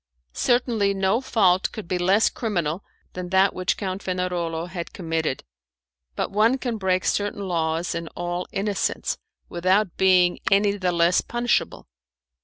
Certainly no fault could be less criminal than that which Count Fenarolo had committed, but one can break certain laws in all innocence without being any the less punishable.